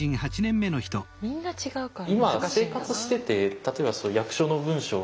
みんな違うからな。